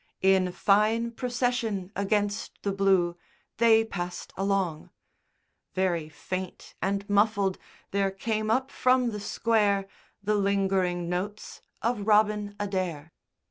In fine procession, against the blue, they passed along. Very faint and muffled there came up from the Square the lingering notes of "Robin Adair."